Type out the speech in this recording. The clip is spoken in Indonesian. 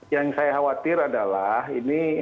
yang saya khawatir adalah ini